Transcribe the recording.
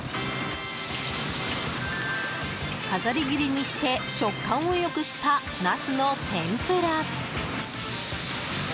飾り切りにして食感を良くしたナスの天ぷら。